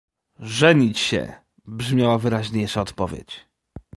„Żenić się!” — brzmiała wyraźniejsza odpowiedź.